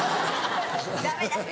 ダメダメ！